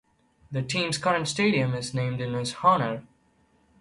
The team's current stadium is named in his honour.